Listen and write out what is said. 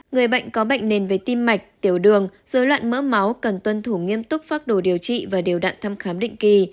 người bệnh có bệnh nền về tim mạch tiểu đường dối loạn mỡ máu cần tuân thủ nghiêm túc phác đồ điều trị và điều đạn thăm khám định kỳ